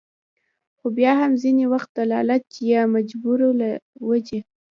خو بيا هم ځينې وخت د لالچ يا مجبورو له وجې